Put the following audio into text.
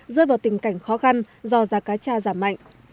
rơi vào tình cảnh khó khăn do giá cá cha giảm mạnh